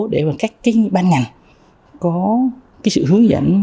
để các ban ngành có sự hướng dẫn